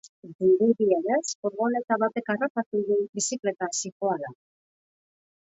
Dirudienez, furgoneta batek harrapatu du, bizikletan zihoala.